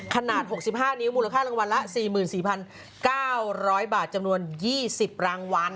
ขนาด๖๕นิ้วมูลค่ารางวัลละ๔๔๙๐๐บาทจำนวน๒๐รางวัล